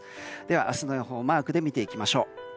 明日の予報をマークで見ていきましょう。